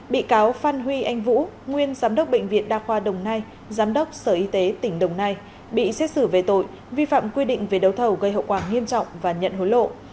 bị cáo phan huy anh vũ nguyên giám đốc bệnh viện đa khoa đồng nai giám đốc sở y tế tỉnh đồng nai bị xét xử về tội vi phạm quy định về đấu thầu gây hậu quả nghiêm trọng và nhận hối lộ